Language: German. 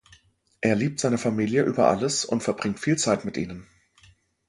Er liebt seine Familie über alles und verbringt viel Zeit mit ihnen.